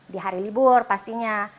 di hari libur pastinya